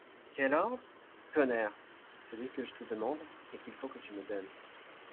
Quel ordre ? Tonnerre ! celui que je te demande, et qu'il faut que tu me donnes.